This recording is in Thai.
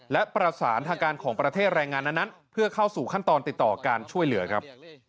และประสานทางการของประเทศแรงงานนั้นเพื่อเข้าสู่ขั้นตอนติดต่อการช่วยเหลือครับ